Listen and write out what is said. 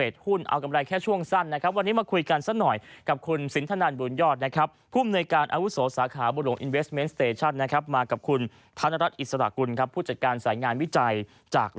สวัสดีครับคุณก๊อปสวัสดีครับพี่แอ๋ก